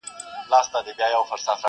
o چي مي سترګي د یار و وینم پیالو کي ,